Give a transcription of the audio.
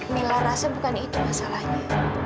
mila rasa bukan itu masalahnya